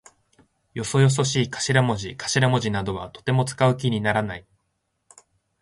よそよそしい頭文字かしらもじなどはとても使う気にならない。